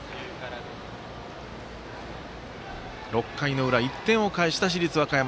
６回の裏、１点を返した市立和歌山。